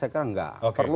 saya kira enggak